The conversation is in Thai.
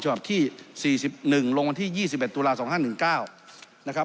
ฉบับที่๔๑ลงวันที่๒๑ตุลา๒๕๑๙นะครับ